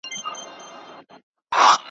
ټولو هېر کړل توپانونه توند بادونه `